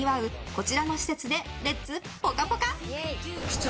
こちらの施設でレッツぽかぽか。